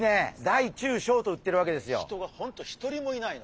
大中小と売ってるわけですよ。